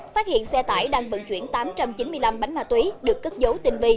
phát hiện xe tải đang vận chuyển tám trăm chín mươi năm bánh ma túy được cất dấu tinh vi